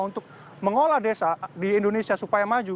untuk mengolah desa di indonesia supaya maju